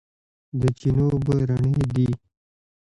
د چینو اوبه رڼې دي